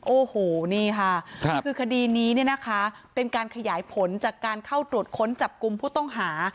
โอ้โหนี่ค่ะคือคดีนี้เนี่ยนะคะเป็นการขยายผลจากการเข้าตรวจค้นจับกลุ่มผู้ต้องหา